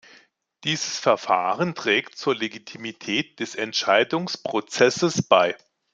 Dieses Verfahren trägt zur Legitimität des Entscheidungsprozesses bei.